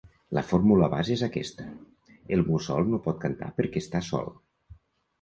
La fórmula base és aquesta: “El mussol no pot cantar perquè està sol.